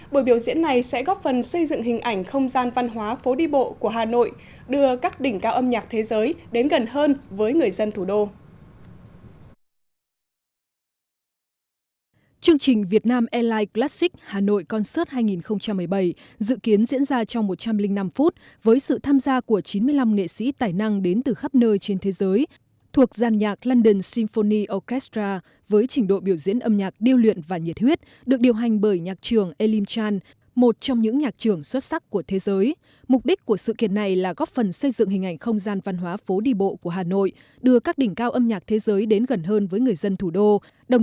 buổi biểu diễn này sẽ góp phần xây dựng hình ảnh không gian văn hóa phố đi bộ của hà nội đưa các đỉnh cao âm nhạc thế giới đến gần hơn với người dân thủ đô